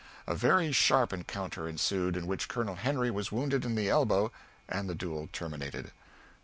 A very sharp encounter ensued, in which Colonel Henry was wounded in the elbow, and the duel terminated."